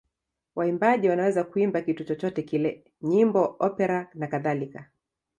Waimbaji wanaweza kuimba kitu chochote kile: nyimbo, opera nakadhalika.